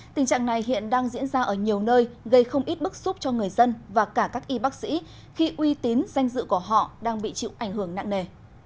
tình trạng này hiện đang diễn ra ở nhiều nơi gây không ít bức xúc cho người dân và cả các y bác sĩ khi uy tín danh dự của họ đang bị chịu ảnh hưởng nặng nề